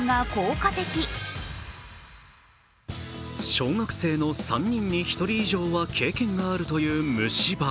小学生の３人に１人以上は経験があるという虫歯。